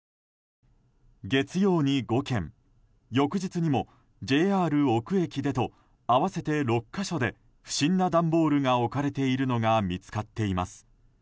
月曜に５件翌日にもＪＲ邑久駅でと合わせて６か所で不審な段ボールが置かれているのが見つかっています。